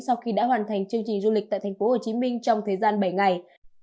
sau khi đã hoàn thành chương trình du lịch tại thành phố hồ chí minh trong thời gian bảy ngày